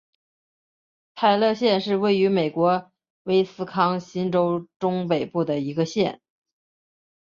泰勒县是位于美国威斯康辛州中北部的一个县。